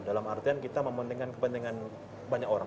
dalam artian kita mementingkan kepentingan banyak orang